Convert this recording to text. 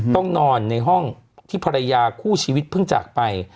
ต้องนอนในห้องที่ภรรยาคู่ชีวิตเพิ่งจากไป